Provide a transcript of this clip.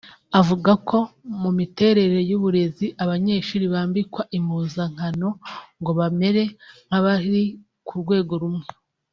Avuga ko mu miterere y’Uburezi abanyeshuri bambikwa impuzankano ngo bamere nk’abari ku rwego rumwe